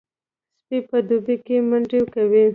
سپي په دوبي کې منډې کوي.